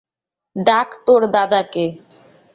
ডাক তোর দাদাকে।